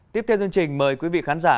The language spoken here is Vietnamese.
tiếp theo dân trình mời quý vị khán giả